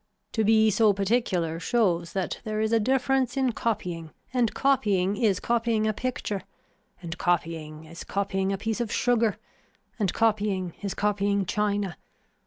To be so particular shows that there is a difference in copying and copying is copying a picture, and copying is copying a piece of sugar, and copying is copying china.